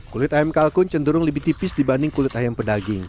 kulit ayam kalkun cenderung lebih tipis dibanding kulit ayam pedaging